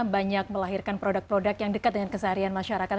banyak melahirkan produk produk yang dekat dengan keseharian masyarakat